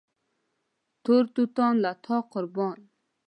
تور توتان له تا قربان